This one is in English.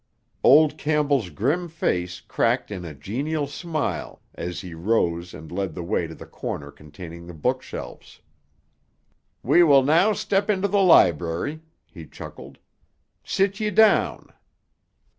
Old Campbell's grim face cracked in a genial smile as he rose and led the way to the corner containing the bookshelves. "We will now step into the library," he chuckled. "Sit ye down."